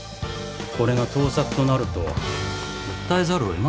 これが盗作となると訴えざるを得ませんよ。